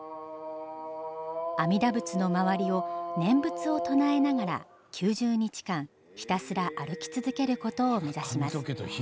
阿弥陀仏の周りを念仏を唱えながら９０日間ひたすら歩き続けることを目指します。